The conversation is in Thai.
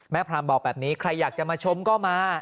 พรามบอกแบบนี้ใครอยากจะมาชมก็มา